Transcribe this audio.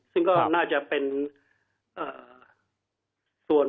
ซึ่งก็น่าจะเป็นส่วนสุดท้ายนะครับ